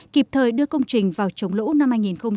kịp thời đưa công trình vào chống lũ năm hai nghìn hai mươi